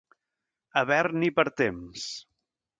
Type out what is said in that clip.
Haver-n'hi per temps.